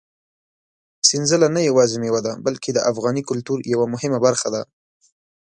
سنځله نه یوازې مېوه ده، بلکې د افغاني کلتور یوه مهمه برخه ده.